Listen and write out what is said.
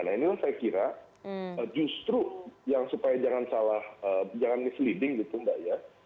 nah ini saya kira justru yang supaya jangan salah jangan misleading gitu mbak ya